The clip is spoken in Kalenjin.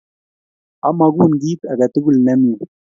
Amagun kiit aketugul nemie